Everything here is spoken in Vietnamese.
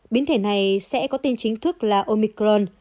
biến thể này sẽ có tên chính thức là omicron